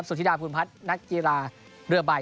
ธิดาภูมิพัฒน์นักกีฬาเรือใบ